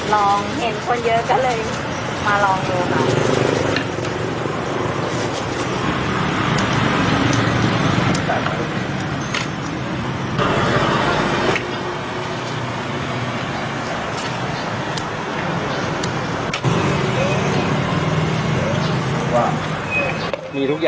สวัสดีทุกคน